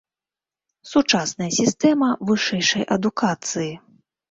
Сучасная сістэма вышэйшай адукацыі.